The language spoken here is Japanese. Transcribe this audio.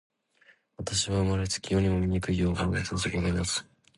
私は生れつき、世にも醜い容貌の持主でございます。